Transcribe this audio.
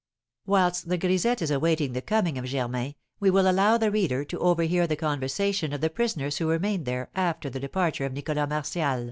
Whilst the grisette is awaiting the coming of Germain, we will allow the reader to overhear the conversation of the prisoners who remained there after the departure of Nicholas Martial.